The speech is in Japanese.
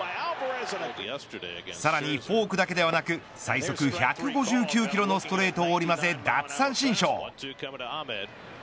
さらにフォークだけではなく最速１５０キロのストレートを織り交ぜ奪三振ショー。